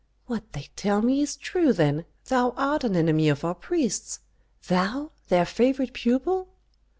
"What they tell me is true then, thou art an enemy of our priests. Thou, their favorite pupil!"